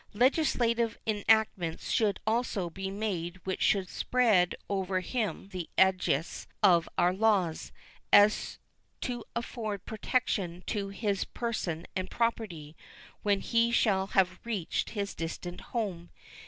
Legislative enactments should also be made which should spread over him the aegis of our laws, so as to afford protection to his person and property when he shall have reached his distant home.